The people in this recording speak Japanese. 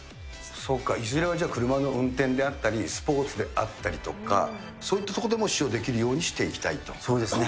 そうか、いずれは車の運転であったり、スポーツであったりとか、そういったとこでも使用できそうですね。